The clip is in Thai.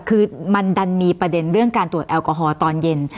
คือมันดันมีประเด็นเรื่องการตรวจแอลกอฮอล์ตอนเย็น